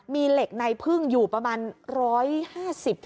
มีเหล็กไนพึ่งอยู่ประมาณ๑๕๐๒๐๐บาท